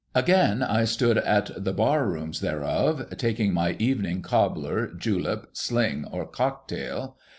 Again I stood in the bar rooms thereof, taking my evening cobbler, julep, sling, or cocktail.